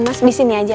mas disini aja ya